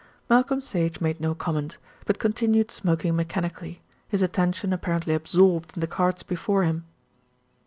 Malcolm Sage made no comment; but continued smoking mechanically, his attention apparently absorbed in the cards before him.